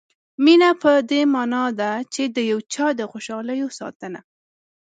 مینه په دې معنا ده چې د یو چا د خوشالیو ساتنه.